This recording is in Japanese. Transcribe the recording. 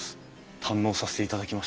堪能させていただきました。